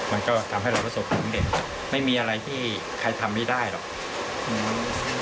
มันก็ทำให้เรารู้สึกของเด็กไม่มีอะไรที่ใครทำไม่ได้หรอก